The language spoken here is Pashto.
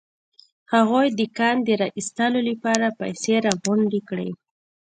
هغوی د کان د را ايستلو لپاره پيسې راغونډې کړې.